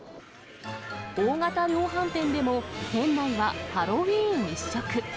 大型量販店でも、店内はハロウィーン一色。